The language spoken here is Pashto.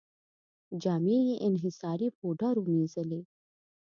جامې یې انحصاري پوډرو مینځلې.